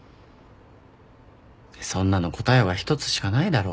そんなの答えは１つしかないだろ。